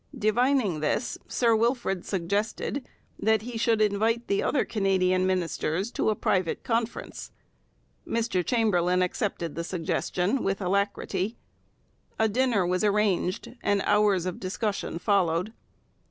Divining this, Sir Wilfrid suggested that he should invite the other Canadian ministers to a private conference. Mr Chamberlain accepted the suggestion with alacrity; a dinner was arranged; and hours of discussion followed.